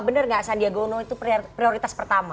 bener gak sandiagono itu prioritas pertama